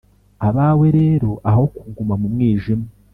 Abawe rero, aho kuguma mu mwijima,